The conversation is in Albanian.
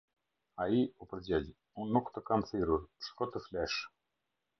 Ai u përgjegj: "Unë nuk të kam thirrur, shko të flesh".